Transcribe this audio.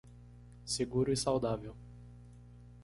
Seguro e saudável